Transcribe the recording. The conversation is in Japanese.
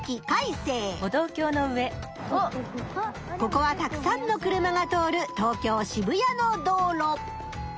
ここはたくさんの車が通る東京・渋谷の道路。